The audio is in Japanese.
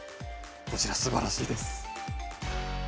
こちらすばらしいです。